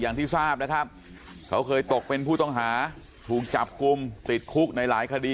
อย่างที่ทราบนะครับเขาเคยตกเป็นผู้ต้องหาถูกจับกลุ่มติดคุกในหลายคดี